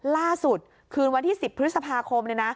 ล่าสุดคืนวันที่๑๐พฤษภาคม